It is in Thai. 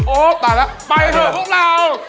โอ๊ะไปแล้วไปเถอะพวกเรา